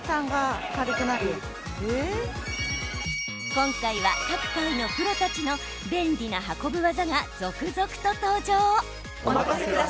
今回は、各界のプロたちの便利な運ぶ技が続々と登場。